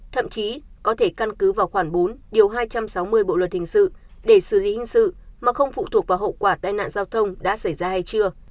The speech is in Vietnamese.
thậm chí có thể căn cứ vào khoảng bốn điều hai trăm sáu mươi bộ luật hình sự để xử lý hình sự mà không phụ thuộc vào hậu quả tai nạn giao thông đã xảy ra hay chưa